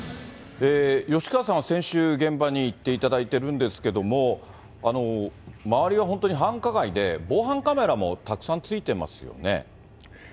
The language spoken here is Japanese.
吉川さんは先週、現場に行っていただいてるんですけれども、周りは本当に繁華街で、防犯カメラもたくさんついてますよね。